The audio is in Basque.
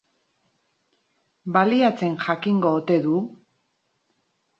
Baliatzen jakingo ote du?